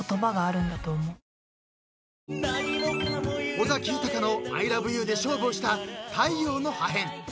［尾崎豊の『ＩＬＯＶＥＹＯＵ』で勝負をした太陽の破片］